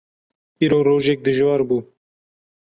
Îro rojek dijwar bû.